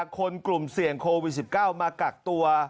กลุ่มเสี่ยงโควิด๑๙มากักตัว